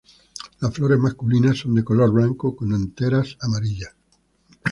Las flores masculinas son de color blanco con anteras amarillas.